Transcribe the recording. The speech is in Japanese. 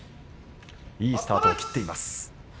いいスタートを切っています。